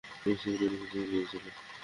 বেচারার প্যান্ট ভিজে গিয়েছিল!